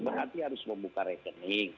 berarti harus membuka rekening